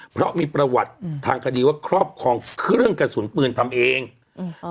เพราะมีประวัติอืมทางคดีว่าครอบครองเครื่องกระสุนปืนทำเองอืม